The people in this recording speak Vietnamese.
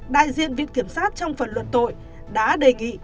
đại diện viện kiểm sát trong phần luận tội đã đề nghị